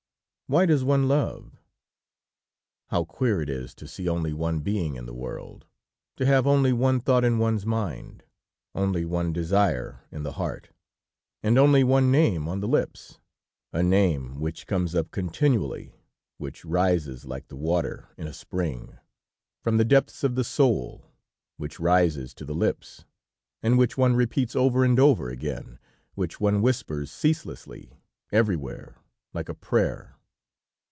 Why does one love? How queer it is to see only one being in the world, to have only one thought in one's mind, only one desire in the heart, and only one name on the lips; a name which comes up continually, which rises like the water in a spring, from the depths of the soul, which rises to the lips, and which one repeats over and over again which one whispers ceaselessly, everywhere, like a prayer.